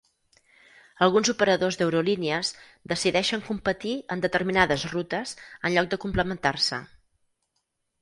Alguns operadors d'eurolínies decideixen competir en determinades rutes en lloc de complementar-se.